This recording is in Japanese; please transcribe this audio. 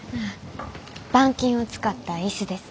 板金を使った椅子です。